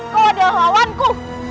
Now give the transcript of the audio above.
kau adalah lawanku